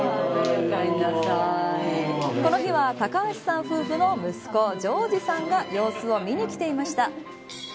この日は高橋さん夫婦の息子穣児さんが様子を見に来ていました。